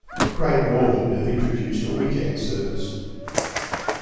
Great Northern have introduced a weekend service.